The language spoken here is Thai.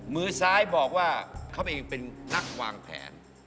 มือซ้ายบอกว่าเขาเองเป็นนักวางแผน